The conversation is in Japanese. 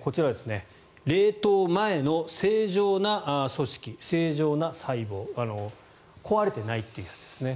こちら、冷凍前の正常な組織、正常な細胞壊れてないというやつですね。